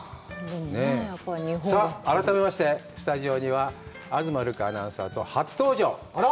さあ、改めまして、スタジオには東留伽アナウンサーと、初登場！